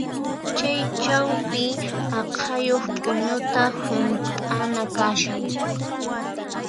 Chay chawpi aqhayuq p'uñuta hunt'ana kashan.